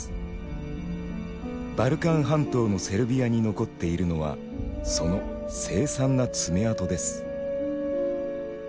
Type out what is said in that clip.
バルカン半島のセルビアに残っているのはその「凄惨な爪痕」です。